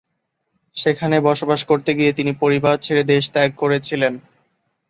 সেখানে বসবাস করতে গিয়ে তিনি পরিবার ছেড়ে দেশ ত্যাগ করেছিলেন।